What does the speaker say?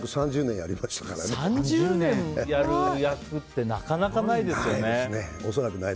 ３０年やる役ってなかなかないですよね。